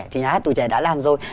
thì nhà hát tuổi trẻ đã làm rồi